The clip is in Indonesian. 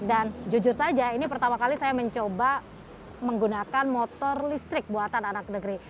dan jujur saja ini pertama kali saya mencoba menggunakan motor listrik buatan anak negeri